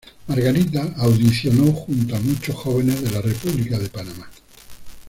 Margarita audicionó junto a muchos jóvenes de la República de Panamá.